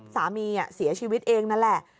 สามีซีอาชื้อชีวิตเองนั่นแหละ